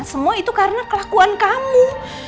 semua itu karena kelakuan kamu